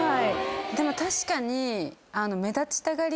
でも確かに。